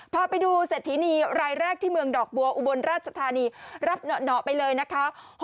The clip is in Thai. พาไปดูเศรษฐีนีรายแรกที่เมืองดอกบัวอุบลราชธานีรับเหนาะไปเลยนะคะ